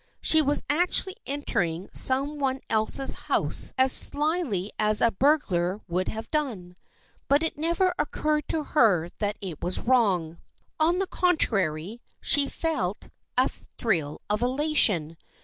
She was actually entering some one else's house as slyly as a burglar would have done, but it never occurred to her that it was wrong. On the contrary she felt a thrill of elation.